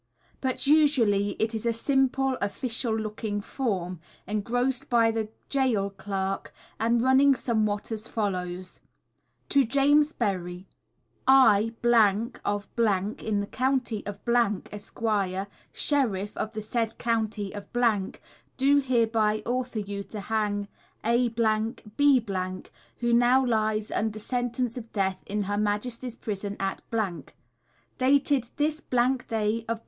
But usually it is a simple, official looking form, engrossed by the gaol clerk, and running somewhat as follows: To JAMES BERRY. _I, , of , in the County of , Esquire, Sheriff of the said County of , do hereby authorise you to hang A B , who now lies under Sentence of Death in Her Majesty's Prison at ._ _Dated this day of